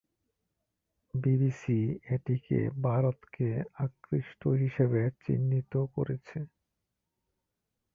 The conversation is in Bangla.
বিবিসি এটিকে "ভারতকে আকৃষ্ট" হিসাবে চিহ্নিত করেছে।